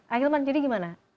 akhirnya jadi gimana